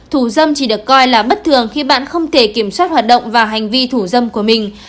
thủ dâm chỉ được coi là bất thường khi bạn không thể kiểm soát hoạt động và hành vi thủ dâm của mình